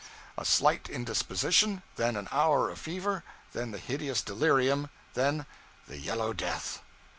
A slight indisposition, then an hour of fever, then the hideous delirium, then the Yellow Death!